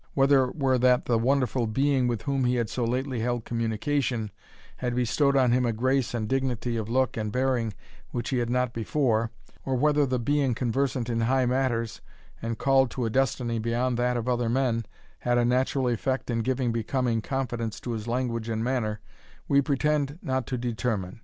Whether it were that the wonderful Being with whom he had so lately held communication, had bestowed on him a grace and dignity of look and bearing which he had not before, or whether the being conversant in high matters, and called to a destiny beyond that of other men, had a natural effect in giving becoming confidence to his language and manner, we pretend not to determine.